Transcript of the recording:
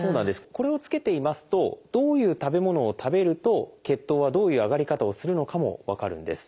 これをつけていますとどういう食べ物を食べると血糖はどういう上がり方をするのかも分かるんです。